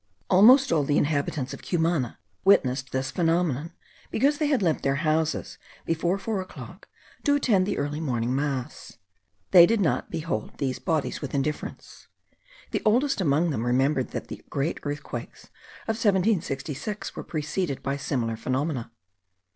Almost all the inhabitants of Cumana witnessed this phenomenon, because they had left their houses before four o'clock, to attend the early morning mass. They did not behold these bolides with indifference; the oldest among them remembered that the great earthquakes of 1766 were preceded by similar phenomena.